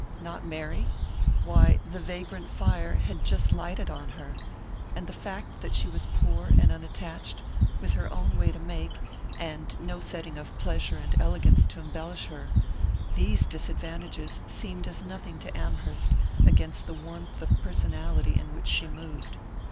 Not marry? Why, the vagrant fire had just lighted on her and the fact that she was poor and unattached, with her own way to make, and no setting of pleasure and elegance to embellish her these disadvantages seemed as nothing to Amherst against the warmth of personality in which she moved.